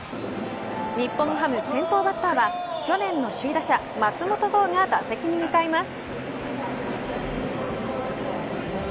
日本ハム、先頭バッターは去年の首位打者松本剛が打席に向かいます。